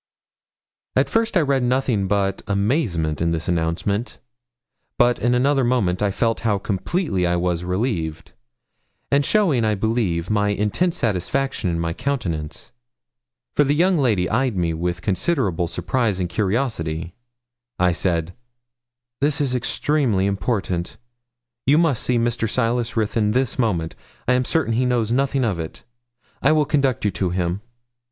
At first I read nothing but amazement in this announcement, but in another moment I felt how completely I was relieved; and showing, I believe, my intense satisfaction in my countenance for the young lady eyed me with considerable surprise and curiosity I said 'This is extremely important. You must see Mr. Silas Ruthyn this moment. I am certain he knows nothing of it. I will conduct you to him.'